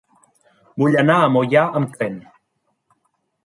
Vull anar a Moià amb tren.